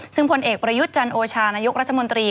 ซึ่งผลเอกประยุทธ์จันโอชานายกรัฐมนตรี